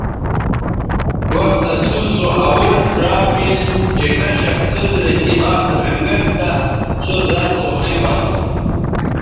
وختہ سور سو اول ڇا مِل چہء کشک څیز رے تی ھات رھنگید تہ سو زر سو ھویں بزونݜ